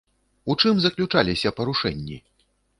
У чым заключаліся парушэнні?